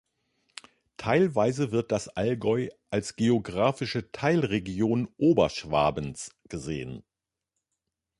Teilweise wird das Allgäu als geografische Teilregion Oberschwabens gesehen.